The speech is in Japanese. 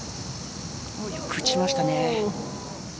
よく打ちましたね。